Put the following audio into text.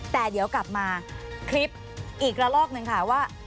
แต่เดี๋ยวกลับมาคลิปอีกระลอกหนึ่งค่ะว่า